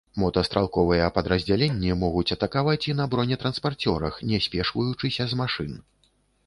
Мотастралковыя падраздзяленні могуць атакаваць і на бронетранспарцёрах, не спешваючыся з машын.